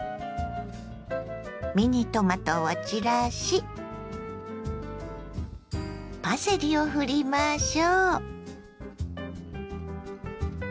ミニトマトを散らしパセリをふりましょ。